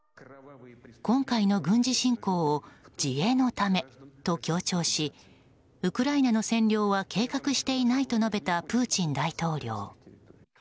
今回の軍事侵攻を自衛のためと強調しウクライナの占領は計画していないと述べたプーチン大統領。